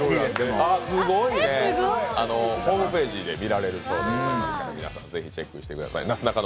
ホームページで見られるそうですので皆さん、ぜひチェックしてみてください。